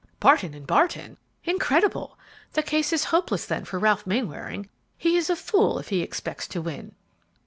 "Barton & Barton? Incredible! The case is hopeless then for Ralph Mainwaring: he is a fool if he expects to win."